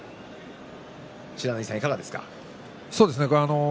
不知火さん、いかがですか？